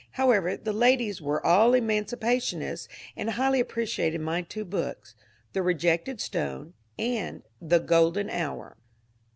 However, the ladies were all emancipationists and highly appreciated my two books, "The Rejected Stone" and "The Golden Hour."